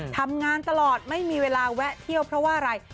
ทำงานตลอดไม่มีเวลาแวะเที่ยวเพราะว่าอะไร